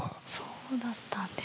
そうだったんですか。